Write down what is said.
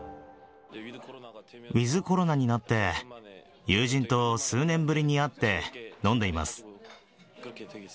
ウィズコロナになって、友人と数年ぶりに会って、飲んでいます。